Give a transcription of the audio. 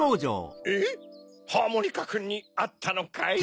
・えっハーモニカくんにあったのかい？